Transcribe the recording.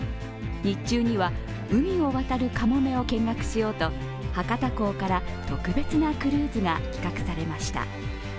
日中には海を渡るかもめを見学しようと、博多港から特別なクルーズが企画されました。